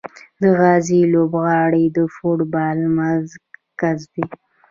د غازي لوبغالی د فوټبال مرکز دی.